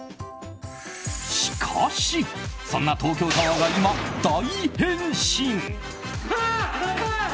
しかし、そんな東京タワーが今、大変身！